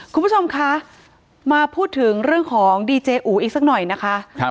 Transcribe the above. คุณผู้ชมคะมาพูดถึงเรื่องของดีเจอูอีกสักหน่อยนะคะ